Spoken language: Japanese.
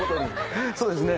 そうですね。